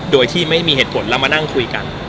โดยที่ไม่มีเหตุผลแล้วมานั่งคุยกัน